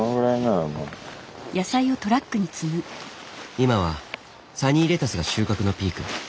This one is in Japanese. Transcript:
今はサニーレタスが収穫のピーク。